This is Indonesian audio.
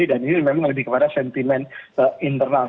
dan ini memang lebih kepada sentimen internal